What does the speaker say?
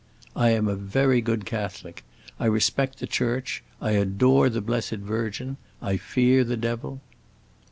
"I am a very good Catholic. I respect the Church. I adore the blessed Virgin. I fear the Devil."